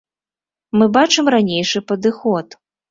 Мы бачым ранейшы падыход.